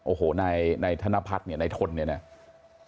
โอ้โหในธนพัฒน์เนี่ยในทนเนี่ยเนี่ยเนี่ย